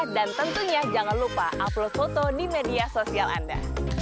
dan tentunya jangan lupa upload foto di media sosial anda